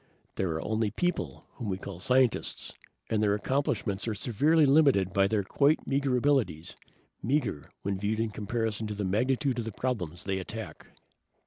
There are only people, whom we call scientists, and their accomplishments are severely limited by their quite meager abilities. Meager, when viewed in comparison with the magnitude of the problems they attack."